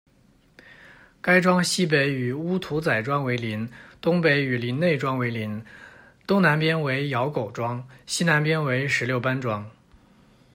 该庄西北与乌涂仔庄为邻，东北与林内庄为邻，东南边为咬狗庄，西南边为石榴班庄。